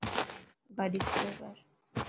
گاڏي سلو ڪر.